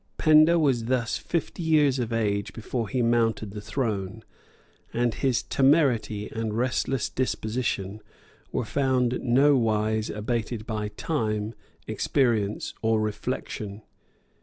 Penda was thus fifty years of age before he mounted the throne; and his temerity and restless disposition were found nowise abated by time, experience, or reflection.